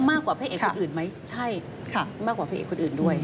พระเอกคนอื่นไหมใช่มากกว่าพระเอกคนอื่นด้วย